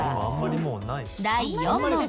第４問。